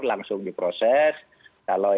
langsung diproses kalau